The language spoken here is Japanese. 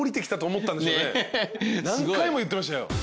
何回も言ってましたよ。